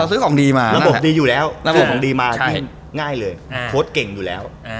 ซื้อของดีมาระบบดีอยู่แล้วระบบของดีมาง่ายเลยโค้ดเก่งอยู่แล้ว